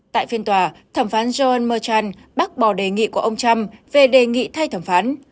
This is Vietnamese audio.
tại phiên tòa thẩm phán john murchan bác bỏ đề nghị của ông trump về đề nghị thay thẩm phán